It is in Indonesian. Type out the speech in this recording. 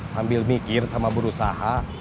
sambil mikir sama berusaha